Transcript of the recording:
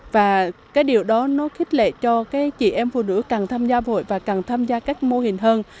và cái điều đó nó khích lệ cho chị em phụ nữ càng tham gia vội và càng tham gia các mô hình hơn